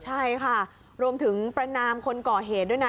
ใช่ค่ะรวมถึงประนามคนก่อเหตุด้วยนะ